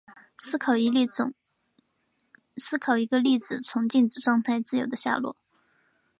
思考一个粒子从静止状态自由地下落。